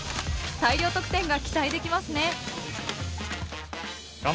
大量得点が期待できますね。